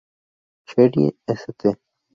Cherie St.